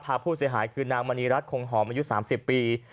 พาผู้เสียหายคือนางมณีรัฐคงหอมอายุ๓๐ปี